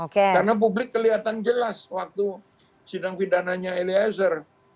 karena publik kelihatan jelas waktu sidang pidananya eliezer